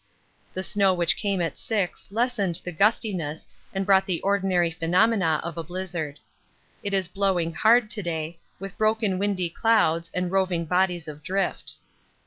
The snow which came at 6 lessened the gustiness and brought the ordinary phenomena of a blizzard. It is blowing hard to day, with broken windy clouds and roving bodies of drift.